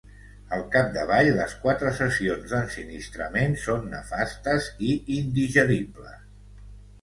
Al capdavall, les quatre sessions d'ensinistrament són nefastes i indigeribles.